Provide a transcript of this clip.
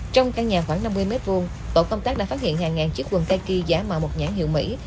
trong căn nhà khoảng năm mươi m hai tổ công tác đã phát hiện hàng ngàn chiếc quần tay kia giả mạo một nhãn hiệu mỹ